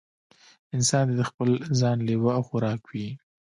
انسان دې د خپل ځان لېوه او خوراک وي.